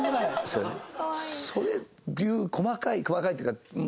そういう細かい細かいっていうか